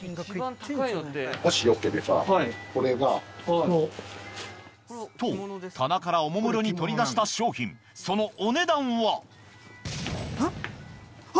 もしよければこれが。と棚からおもむろに取り出した商品そのお値段は？